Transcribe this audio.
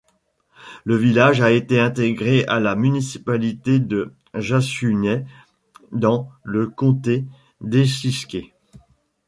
Le village a été intégré à la municipalité de Jašiūnai dans le comté d'Eišiškės.